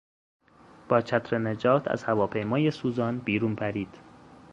با چتر نجات از هواپیمای سوزان بیرون پرید.